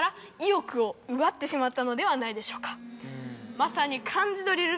まさに。